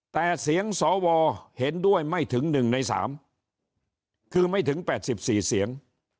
แต่เสียงสอวอร์เห็นด้วยไม่ถึงหนึ่งในสามคือไม่ถึงแปดสิบสี่เสียง